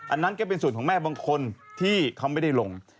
อันนั้นก็เป็นส่วนของแม่บางคนที่เขาไม่ได้ลง